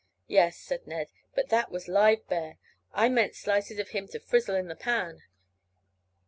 "Yes," said Ned, "but that was live bear; I meant slices of him to frizzle in the pan.